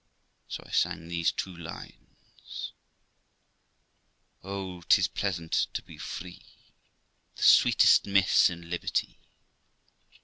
So I sung these two lines of Mr 's; Oh! 'tis pleasant to be free, The sweetest Miss is Liberty.